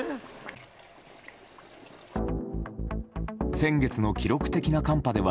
先月の記録的な寒波では